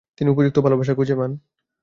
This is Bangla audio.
তিনি "উপযুক্ত ভালবাসা" খুঁজে পান।